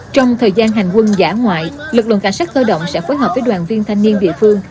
trong thời gian hành quân giả ngoại lực lượng cảnh sát cơ động sẽ phối hợp với đoàn viên thanh niên địa phương